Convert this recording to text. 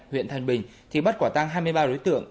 huyện thanh bình thì bắt quả tăng hai mươi ba đối tượng